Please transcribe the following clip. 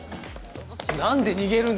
なんで逃げるんだ？